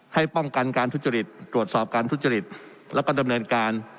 ให้ป้องกันการทุจริตตรวจสอบการทุจริตแล้วก็ดำเนินการ